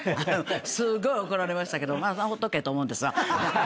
すーごい怒られましたけどまあほっとけと思うんですわ。